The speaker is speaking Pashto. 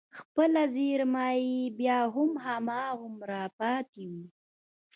خپله زېرمه يې بيا هم هماغومره پاتې وي.